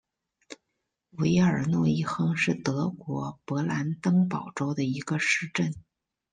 韦尔诺伊亨是德国勃兰登堡州的一个市镇。